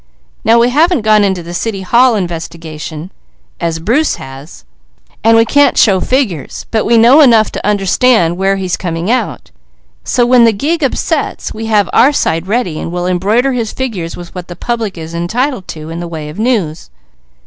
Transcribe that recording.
Now we haven't gone into the City Hall investigation as Bruce has and we can't show figures, but we know enough to understand where he's coming out; so when the gig upsets, we have our side ready and we'll embroider his figures with what the public is entitled to, in the way of news."